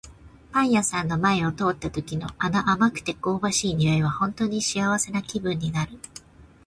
パン屋さんの前を通った時の、あの甘くて香ばしい匂いは本当に幸せな気分になる。